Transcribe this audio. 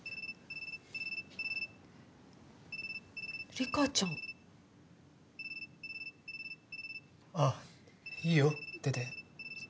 リカちゃん。あっいいよ出て。